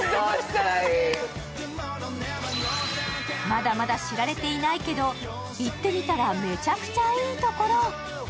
まだまだ知られていないけど、行ってみたらめちゃくちゃいいところ。